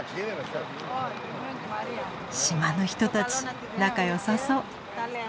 島の人たち仲よさそう。